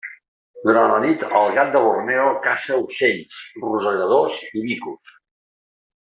Durant la nit, el gat de Borneo caça ocells, rosegadors i micos.